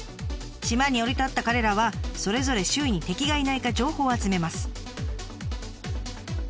島に降り立った彼らはそれぞれ周囲に敵がいないか情報を集めます。